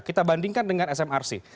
kita bandingkan dengan smrc